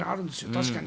確かに。